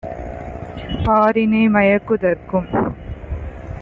பாரினை மயக்கு தற்கும்